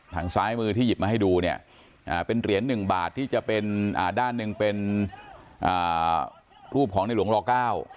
ทางซ้ายมือที่หยิบมาให้ดูเนี่ยเป็นเหรียญหนึ่งบาทที่จะเป็นด้านหนึ่งเป็นรูปของในหลวงรอเก้า